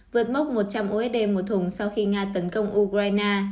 vượt mốc một trăm linh usd một thùng sau khi nga tấn công ukraine